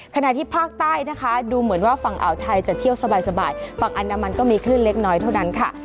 ขณะที่ภาคใต้นะคะดูเหมือนว่าฝั่งอ่าวไทยจะเที่ยวสบายฝั่งอันดามันก็มีคลื่นเล็กน้อยเท่านั้นค่ะ